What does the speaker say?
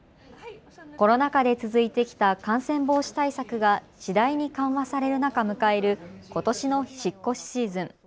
コロナ禍で続いてきた感染防止対策が次第に緩和される中、迎えることしの引っ越しシーズン。